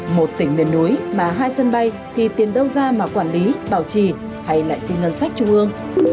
một tỉnh miền núi mà hai sân bay thì tiền đâu ra mà quản lý bảo trì hay lại xin ngân sách trung ương